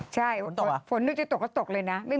ใช่ฝนนึกจะตกก็ตกเลยนะ